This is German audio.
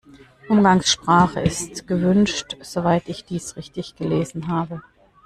Umgangssprache ist gewünscht, soweit ich dies richtig gelesen habe.